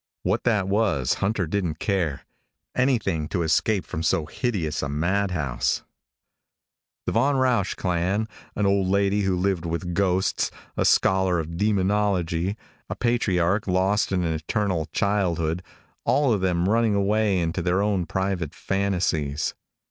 What that was, Hunter didn't care. Anything to escape from so hideous a madhouse. The Von Rausch clan: an old lady who lived with ghosts; a scholar of demonology; a patriarch lost in an eternal childhood. All of them running away into their own private fantasies.